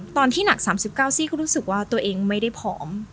ตอนที่หนัก๓๙ซี่ก็รู้สึกว่าตัวเองไม่ได้ผอม